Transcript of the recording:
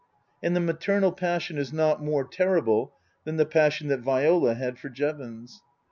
And the maternal passion is not more terrible than the passion that Viola had for Jevons.